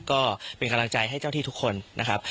ก็เป็นกำลังใจให้เจ้าที่ทุกคนนะครับ